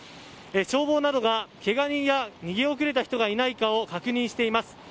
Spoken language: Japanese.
消防などが、けが人や逃げ遅れた人がいないかを確認しています。